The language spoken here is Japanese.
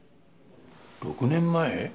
６年前？